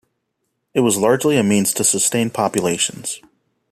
It was largely a means to sustain populations.